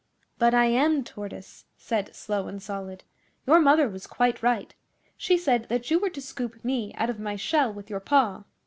'But I am Tortoise,' said Slow and Solid. Your mother was quite right. She said that you were to scoop me out of my shell with your paw.